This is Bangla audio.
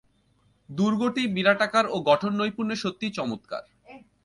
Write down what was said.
দুর্গটি বিরাটাকার ও গঠননৈপুণ্যে সত্যিই চমৎকার।